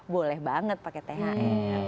boleh banget pakai thr